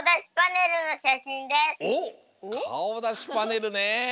おっかおだしパネルね。